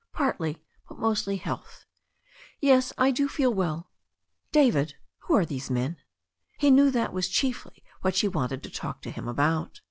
"Partly. But mostly health." "Yes, I do feel well. David, who are these men?" He knew that was chiefly what she wanted to talk to him about.